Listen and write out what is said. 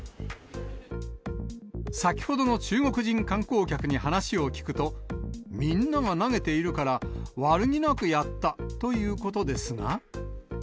先ほどの中国人観光客に話を聞くと、みんなが投げているから、悪気なくやったということですが。